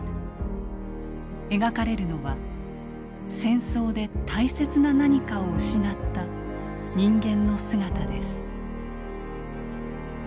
描かれるのは戦争で大切な何かを失った人間の姿です。